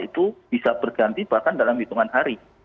itu bisa berganti bahkan dalam hitungan hari